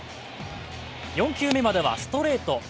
４球目まではストレート。